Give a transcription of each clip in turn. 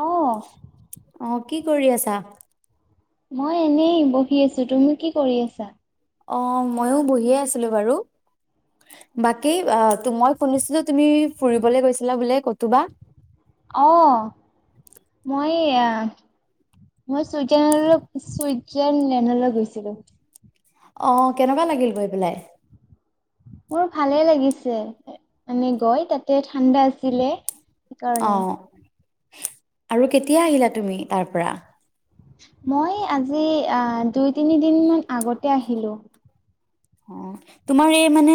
অ'। অ' কি কৰি আছা? মই এনে বহি আছো। তুমি কি কৰি আছা? অ' ময়ো বহিয়ে আছিলোঁ বাৰু। বাকী অহ মই শুনিছিলো তুমি ফুৰিবলৈ গৈছিলা বোলে কতোবা। অ' মই এয়া মই ছুইজাৰলেণ-চুইজাৰলেণ্ডলৈ গৈছিলো। অ' কেনেকুৱা লাগিল গৈ পেলাই? মোৰ ভালে লাগিছে। মানে গৈ তাতে ঠাণ্ডা আছিলে। অ'। সেইকাৰণে আৰু কেতিয়া আহিলা তুমি তাৰ পৰা? মই আজি দুই তিনি দিন মান আগতে আহিলো। অ' তোমাৰ এই মানে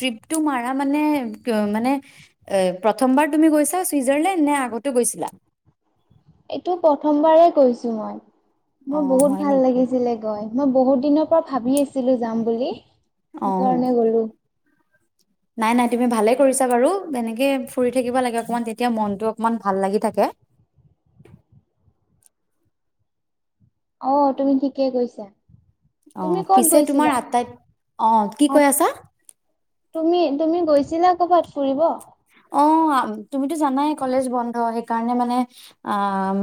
তৃপ্ত মাৰা মানে-মানে এ প্ৰথমবাৰ তুমি গৈছা চুইজাৰলেণ্ড নে আগতো গৈছিলা? এইটো প্ৰথমবাৰ কৈছো মই। অ মোৰ হয় বহুত ভাল নেকি লাগিছিলে গৈ। মই বহুত দিনৰ পৰা ভাবি আছিলো যাম বুলি, অ সেই কাৰণে গলো। নাই নাই তুমি ভালে কৰিছা বাৰু এনেকে ফুৰি থাকিব লাগে অকমান তেতিয়া মনতটো অকমান ভাল লাগি থাকে। অ তুমি ঠিকেই কৈছা অ তুমি ক'ত পিছে তোমাৰ গৈছিলা? আটাইত অ কি কৈ আছা তুমি তুমি গৈছিলা ক'ৰবাত ফুৰিব অ তুমিতো জানাই কলেজ বন্ধ সেইকাৰণে মানে অ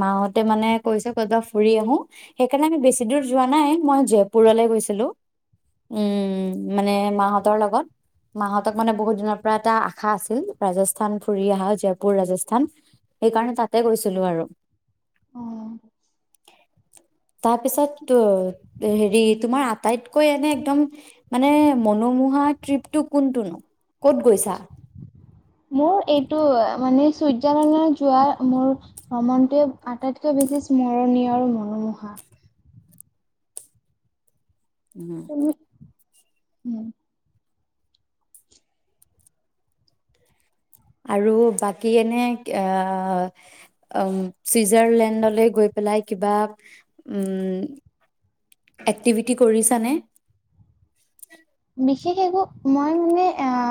মা হতে মানে কৈছে কত বা ফুৰি আহো সেইকাৰণে আমি বেছি দূৰ যোৱা নাই মই জয়পুৰলে গৈছিলো উম মানে মাহঁতৰ লগত মাহঁতক মানে বহুত দিনৰ পৰা এটা আশা আছিল ৰাজস্থান ফুৰি আহা জয়পুৰ ৰাজস্থান সেইকাৰণে তাতে গৈছিলো আৰু অ তাৰপিছত ত হেৰি তোমাৰ আটাইতকৈ এনে একদম মানে মনোমোহা ট্ৰিপটো কোনটোন ক'ত গৈছা মোৰ এইটো মানে চুইজাৰলেণ্ডৰ যোৱা মোৰ ভ্ৰমণটোৱে আটাইতকৈ বেছি স্মৰণীয় আৰু মনোমোহা উম তুমি উম, আৰু বাকী এনে আহ উ চুইজাৰলেণ্ডলৈ গৈ পেলাই কিবা উম এক্টিভিটি কৰিছানে? বিশেষ একো মই মানে আহ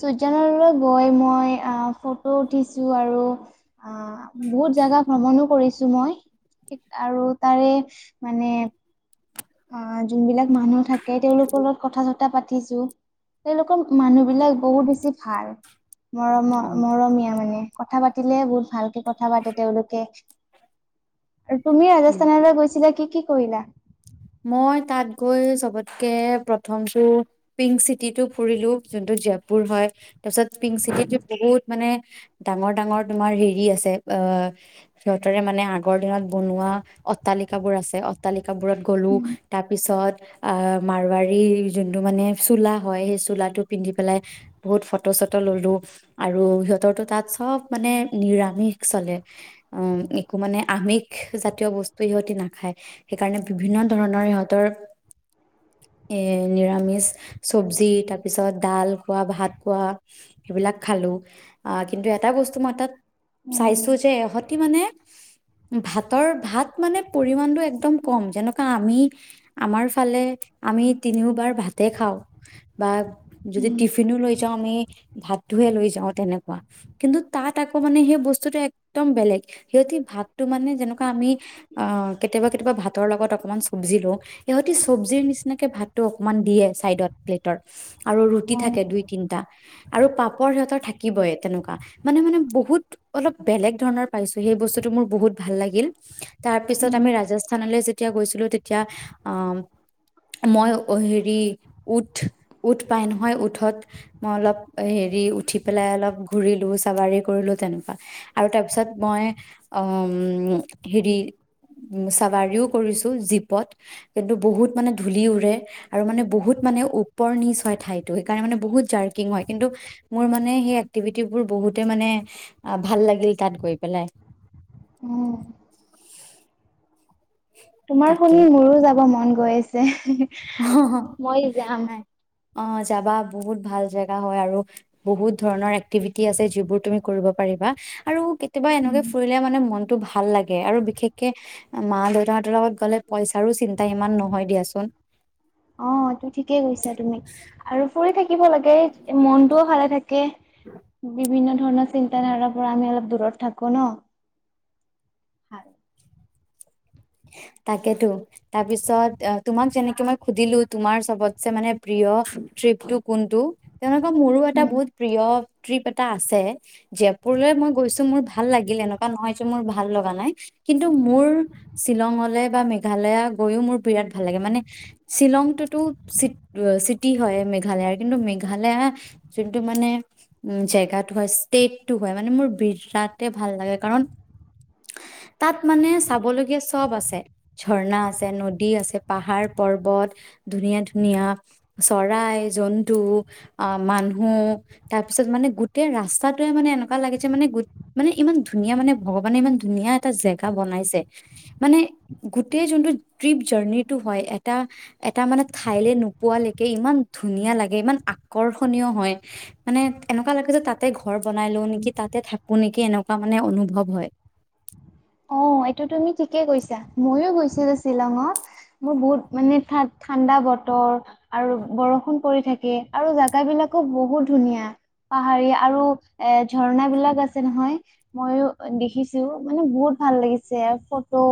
চুইজাৰলেণ্ড গৈ মই আহ ফটো উঠিছো আৰু অ বহুত জাগা ভ্ৰমণো কৰিছো মই আৰু তাৰে মানে অ জুন বিলাক মানুহ থাকে তেওঁলোকৰ লগত কথা পাতিছো তেওঁলোকৰ মানুহ বিলাক বহুত বেছি ভাল মৰম অঁ মৰমীয়া মানে কথা পাতিলে বহুত ভালকে কথা পাতে তেওঁলোকে আৰু তুমি ৰাজস্থানলৈ গৈছিলা কি কি কৰিলা মই তাত গৈ চবতকে প্ৰথমটো পিংক চিটি টো ফুৰিলো, যোনটোটো জয়পুৰ হয় তাৰপিছত পিংক চিটিতটো বহুত মানে ডাঙৰ ডাঙৰ তোমাৰ হেৰি আছে অঁ- সিহঁতৰে মানে আগৰ দিনত বনোৱা অট্টালিকাবোৰ আছে। অট্টালিকাবোৰত গলো উম তাৰপিছত আহ' মাৰুৱাৰী যোনটো মানে চোলা হয় সেই চোলাটো পিন্ধি পেলাই বহুত ফটো চটো ললোঁ। আৰু সিহঁতৰতো তাত চ'ব মানে নিৰামিষ চলে। অ' একো মানে আমিষ জাতীয় বস্তু সিহঁতে নাখায় সেইকাৰণে বিভিন্ন ধৰণৰ সিহঁতৰ এ নিৰামিষ চব্জি তাৰপিছত ডাল খোৱা, ভাত খোৱা সেইবিলাক খালো। আহ' কিন্তু এটা বস্তু মই তাত চাইছো যে ইহঁতে মানে ভাতৰ ভাত মানে পৰিমাণটো একদম কম যেনেকুৱা আমি আমাৰ ফালে আমি তিনিওবাৰ ভাতে খাওঁ- বা যদি উম টিফিনো লৈ যাও আমি ভাতটোহে লৈ যাওঁ তেনেকুৱা। কিন্তু তাত আকৌ মানে সেই বস্তুটো একদম বেলেগ সিহঁতি ভাতটো মানে যেনেকুৱা আমি অহ' কেতিয়াবা কেতিয়াবা ভাত ভাতৰ লগত অকণমান চব্জি লওঁ, সিহঁতি চব্জিৰ নিচিনাকে ভাতটো অকণমান দিয়ে চাইদত প্লেটৰ আৰু ৰুটি অ থাকে দুই তিনটা। আৰু পাপৰ সিহঁতৰ থাকিবই তেনেকুৱা মানে মানে বহুত অলপ বেলেগ ধৰণৰ পাইছো সেই বস্তুটো মোৰ বহুত ভাল লাগিল। তাৰ পিছত উম আমি ৰাজস্থান লৈ যেতিয়া গৈছিলো তেতিয়া অঁ- মই সেৰি উঠ উঠ পাই নহয় উঠত মই অলপ হেৰি উঠি পেলাই অলপ ঘূৰিলো চাবাৰি কৰিলো তেনেকুৱা। আৰু তাৰপিছত মই উমঁ' হেৰি চাৱাৰিও কৰিছোঁ জীপত কিন্তু বহুত মানে ধূলি উৰে। আৰু মানে বহুত মানে ওপৰ নিচ হয় ঠাইটো সেইকাৰণে মানে বহুত জাৰ্কিং হয়। কিন্তু মোৰ মানে সেই এক্টিভিটি বোৰ বহুতে মানে ভাল লাগিল তাত গৈ পেলাই। উমঁ। তোমাৰ তাকে শুনি মোৰো যাব মন গৈ আছে। অঁ' মই যাম নাই, অঁ' যাবা বহুত ভাল জেগা হয় আৰু বহুত ধৰণৰ এক্টিভিটি আছে যিবোৰ তুমি কৰিব পাৰিবা আৰু কেতিয়াবা উম এনেকুৱা মানে মনটো ভাল লাগে আৰু বিশেষকে মা-দেউতাহতৰ লগত গ'লে পইচাৰো চিন্তা ইমান নহয় দিয়াচোন। অঁ' টো ঠিকেই কৈছা তুমি আৰু ফুৰি থাকিব লাগে মনটোও ভালে থা- কে, বিভিন্ন ধৰণৰ চিন্ত ধাৰাৰ পৰা আমি অলপ দূৰত থাকো ন'। হয়। তাকেতো। তাৰপিছত তোমাক যেনেকে মই সুধিলো তোমাৰ চবতচে মানে প্ৰিয় ট্ৰিপটো কোনটো। তেনেকুৱা মোৰো এটা উম, বহুত প্ৰিয় ট্ৰিপ এটা আছে। জয়পুৰলৈ মই গৈছো মোৰ ভাল লাগিলে, এনেকুৱা নহয় যে মোৰ ভাল লগা নাই কিন্তু মোৰ শ্বিলঙলে বা মেঘালয়া গৈয়ও মোৰ বিৰাট ভাল লাগে মানে শ্বিলংটোতো চিটি হয় মেঘালয়ৰ কিন্তু মেঘালয়া যোনটো মানে উমঁ' জেগাটো হয় ষ্টেটটো হয় মানে মোৰ বিৰাটে ভাল লাগে কাৰণ তাত মানে চাবলগীয়া চ'ব আছে। ঝৰ্ণা আছে, নদী আছে, পাহাৰ পৰ্বত ধুনীয়া ধুনীয়া চৰাই, জন্তু আহ মানুহ তাৰপিছত মানে গোটেই ৰাস্তাটোৱে মানে এনেকুৱা লাগিছে মানে মানে ইমান ধুনীয়া মানে ভগৱানে ইমান ধুনীয়া এটা জেগা বনাইছে। মানে গোটেই যোনটো ট্ৰিপ জাৰ্ণিটো হয় এটা। এটা মানে ঠাইলে নোপোৱালৈকে ইমান ধুনীয়া লাগে, ইমান আকৰ্ষণীয় হয়। মানে এনেকুৱা লাগে যে তাতে ঘৰ বনাই লো নেকি, তাতে থাকো নেকি, এনেকুৱা মানে অনুভৱ হয়। অ এইটো তুমি ঠিকে কৈছা। ময়ো গৈছিলো শ্বিলঙত। মোৰ বহুত মানে ঠাণ্ডা বতৰ আৰু বৰষুণ পৰি থাকে আৰু জেগা বিলাকো বহুত ধুনীয়া। পাহাৰী আৰু এ ঝৰ্ণা বিলাক আছে নহয়। ময়ো দেখিছো মানে বহুত ভাল লাগিছে ফটো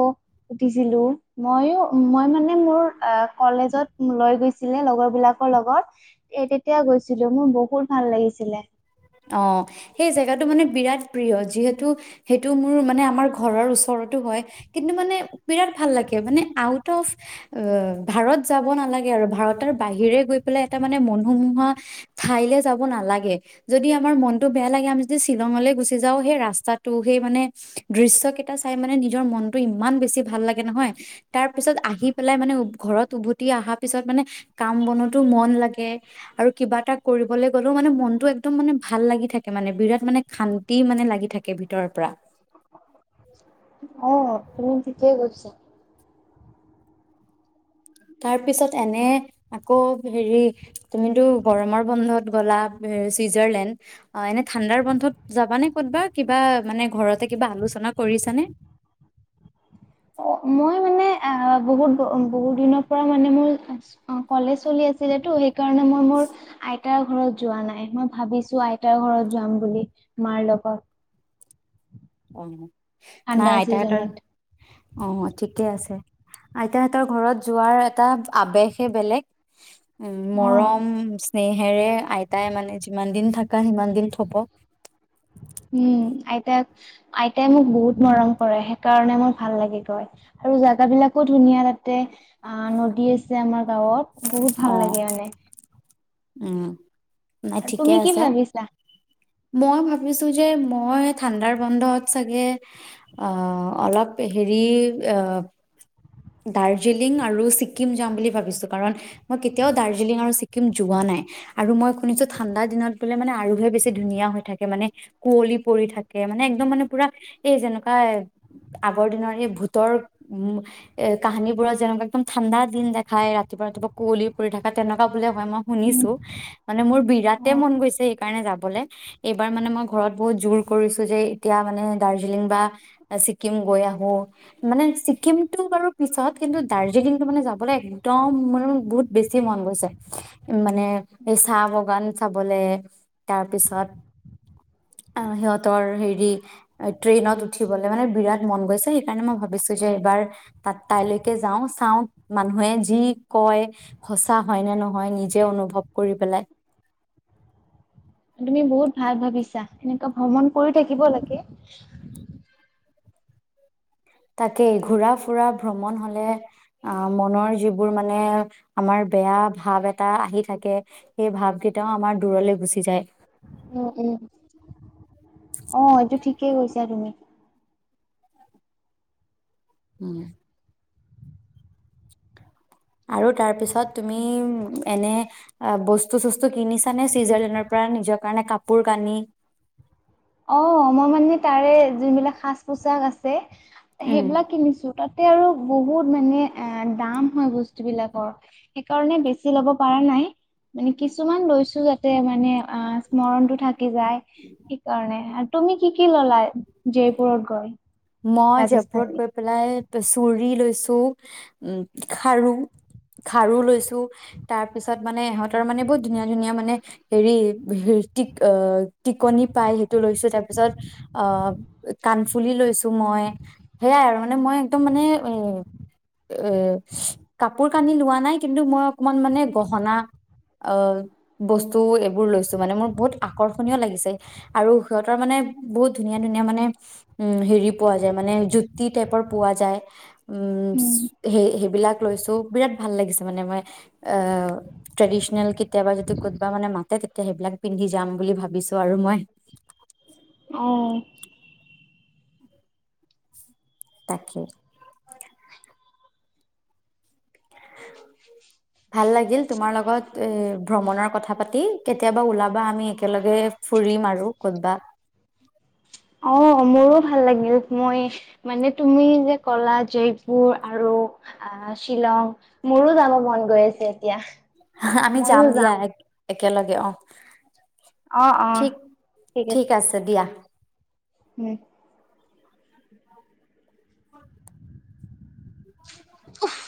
উঠিছিলো। মইও মই মানে মোৰ কলেজত লৈ গৈছিল। ছিলে লগৰ বিলাকৰ লগত। এ তেতিয়া গৈছিলো মোৰ বহুত ভাল লাগিছিলে। অ সেই জেগাতটো মানে বিৰাট প্ৰিয় যিহেতু, সেইটো মোৰ মানে আমাৰ ঘৰৰ ওচৰতো হয়। কিন্তু মানে বিৰাট ভাল লাগে মানে আউট অফ অ ভাৰত যাব নালাগে আৰু ভাৰতৰ বাহিৰে গৈ পেলাই এটা মানে মনোমোহা ঠাইলে যাব নালাগে। যদি আমাৰ মনতটো বেয়া লাগে আমি যদি শ্বিলঙলৈ গুচি যাওঁ। সেই ৰাস্তাটো সেই মানে দৃশ্য কেইটা চাই মানে নিজৰ মনতটো ইমান বেছি ভাল লাগে নহয়। তাৰ পিছত আহি পেলাই মানে ঘৰত উভতি অহা পিছত মানে কাম বনতো মন লাগে আৰু কিবা এটা কৰিবলৈ গ'লেও মানে মনতটো একদম মানে ভাল লাগি থাকে মানে বিৰাট মানে শান্তি মানে লাগি থাকে ভিতৰৰ পৰা। অ তুমি ঠিকেই কৈছা। তাৰ পিছত এনে আকৌ হেৰি তুমিতো গৰমৰ বন্ধত গ'লা চুইজাৰলেণ্ড অ এনে ঠাণ্ডাৰ বন্ধত যাবানে ক'তবা কিবা মানে ঘৰতে কিবা আলোচনা কৰিছানে? মই মানে অ বহুত বহুত দিনৰ পৰা মানে মোৰ অ কলেজ চলি আছিলেটো, সেইকাৰণে মই মোৰ আই আইতাৰ এতিয়াও ঘৰত যোৱা নাই। মই ভাবিছো আইতাৰ ঘৰত যাম বুলি মাৰ লগত। অ নাই ঠাণ্ডা আইতাহঁতৰ চিজনত অ ঠিকে আছে। আইতাহতৰ ঘৰত যোৱাৰ এটা আৱেগে বেলেগ উ অ', মৰম স্নেহেৰে আইতাই মানে যিমান দিন থাকা সিমান দিন থব। উম আইতাক আইতাই মোক বহুত মৰম কৰে সেইকাৰণে মোৰ ভাল লাগি গৈ। আৰু জেগা বিলাকো ধুনীয়া তাতে অ নদী আছে আমাৰ গাঁৱত। বহুত অ ভাল লাগে মানে। উম। নাই আৰু ঠিকে তুমি কি আছে। ভাবিছা? মই ভাবিছো যে, মই ঠাণ্ডাৰ বন্ধত চাগে অ অলপ হেৰি অ দাৰ্জিলিং আৰু ছিকিম যাম বুলি ভাবিছোঁ। কাৰণ মই কেতিয়াও দাৰ্জিলিং আৰু ছিক্কিম যোৱা নাই। আৰু মই শুনিছো ঠাণ্ডা দিনত গ'লে মানে আৰুহে বেছি ধুনীয়া হৈ থাকে, মানে কুঁৱলী পৰি থাকে মানে একদম মানে পুৰা এই যেনেকুৱা এ আগৰ দিনৰ সেই ভূতৰ উম এ কাহিনীবোৰত যেনেকুৱা একদম ঠাণ্ডা দিন দেখাই ৰাতিপুৱা ৰাতিপুৱা কুঁৱলী ফুৰি থকা তেনেকুৱা বোলে হয় মই উম, শুনিছোঁ মানে মোৰ বিৰাট অ', মন গৈছে সেইকাৰণে যাবলে। এইবাৰ মানে মই ঘৰত বহুত জোৰ কৰিছো যে এতিয়া মানে দাৰ্জিলিং বা। আ চিক্কিম গৈ আহোঁ। মানে ছিক্কিমটো বাৰু পিছত কিন্তু দাৰ্জিলিংটো মানে যাবলৈ একদম মনত বহুত। বেছি মন গৈছে মানে এই চাহ বাগান চাবলে তাৰ পিছত। আহ সিহঁতৰ হেৰি। ট্ৰেইনত উঠিবলৈ মানে বিৰাট মন গৈছে সেইকাৰণে মই ভাবিছোঁ যে এইবাৰ। তাত তাইলৈকে যাওঁ চাওঁ মানুহে যি কয়। সঁচা হয় নে নহয় নিজে অনুভৱ কৰি পেলাই। তুমি বহুত ভাল ভাবিছা এনেকুৱা ভ্ৰমণ কৰি থাকিব লাগে। তাকেই বাৰু। ঘূৰা- ফুৰা ভ্ৰমণ হ'লে। আ মনৰ যিবোৰ মানে আমাৰ বেয়া ভাৱ এটা আহি থাকে। সেই ভাব কেইটাও আমাৰ দূৰলৈ গুচি যায়। উম উম অ এইটো ঠিকেই কৈছা তুমি। [inaudible] আৰু তাৰপিছত তুমি এনে। আ বস্তু-চস্তু কিনিছা নে চুইজাৰলেণ্ডৰ পৰা নিজৰ কাৰণে কাপোৰ-কানি। অ মই মানে তাৰে যোন বিলাক সাজ- পোছাক আছে উম সেইবিলাক কিনিছো তাত। তাতে আৰু বহুত মানে আ দাম হয় বস্তুবিলাকৰ। সেইকাৰণে বেছি ল'ব পাৰা নাই। মানে কিছুমান বস্তু যাতে মানে আহ স্মৰণতটো থাকি যায়। কাৰণে তুমি কি কি ললা জয়পুৰত গৈ। মই জয়পুৰত ৰাজস্থানী গৈ পেলাই চুৰি লৈছো, উ খাৰু। খাৰু লৈছোঁ। তাৰ পিছত মানে ইহঁতৰ মানে বহুত ধুনীয়া ধুনীয়া মানে হেৰি হৃত্বিক অ। টিকনি পাই সেইটো লৈছোঁ তাৰ পিছত অ কাণফুলি লৈছোঁ। মই সেইয়াই আৰু মানে মই একদম মানে অ। এ কাপোৰ কানি লোৱা নাই কিন্তু মই অকমান মানে গহনা। অ বস্তু এইবোৰ লৈছোঁ মানে মোৰ বহুত আকৰ্ষণীয় লাগিছে। আৰু সিহঁতৰ মানে বহুত ধুনীয়া ধুনীয়া মানে উম হেৰি। পোৱা যায় মানে জুতি টাইপৰ পোৱা যায় উম স সেইবিলাক লৈছোঁ বিৰাট। ভাল লাগিছে মানে মই অ ট্ৰেডিচনেল কেতিয়াবা যদি ক'বা মানে মাতে। এতিয়া সেইবিলাক পিন্ধি যাম বুলি ভাবিছোঁ আৰু মই। অ। তাকে। অ। ভাল লাগিল তোমাৰ লগত এ ভ্ৰমণৰ কথা পাতি কেতিয়াবা ওলাবা আমি একেলগে। ফুৰিম আৰু কৰ'বা। অ মোৰো ভাল লাগিল মইয়ে। মানে তুমি যে কলা জয়পুৰ আৰু। আহ শ্বিলং মোৰো যাব মন গৈ আছে এতিয়া। আমি যাম দিয়া এক একেলগে অ। অ', অ', ঠিক ঠিক আছে দিয়া। উম। উমহ।